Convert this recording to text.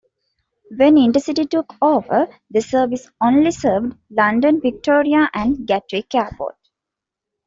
When InterCity took over, the service only served London Victoria and Gatwick Airport.